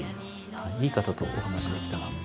いい方とお話しできたなって。